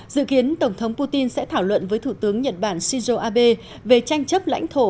dự kiến tổng thống putin sẽ thảo luận với thủ tướng nhật bản shinzo abe về tranh chấp lãnh thổ